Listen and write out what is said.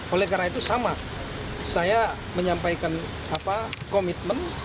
oleh karena itu sama saya menyampaikan komitmen